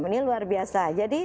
ini luar biasa